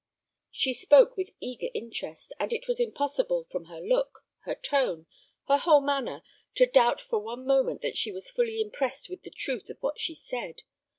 She spoke with eager interest, and it was impossible, from her look, her tone, her whole manner, to doubt for one moment that she was fully impressed with the truth of what she said.